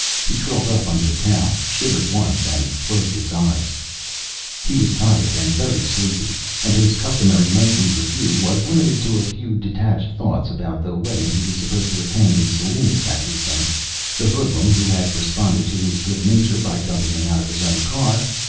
He curled up under the towel, shivered once, and closed his eyes. He was tired and very sleepy, and his customary nightly review was limited to a few detached thoughts about the wedding he was supposed to attend in Salinas that weekend ... the hoodlum who had responded to his good nature by dumping him out of his own car